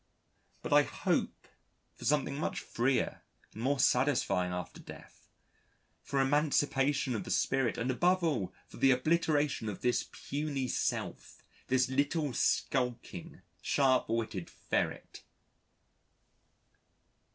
But I hope for something much freer and more satisfying after death, for emancipation of the spirit and above all for the obliteration of this puny self, this little, skulking, sharp witted ferret.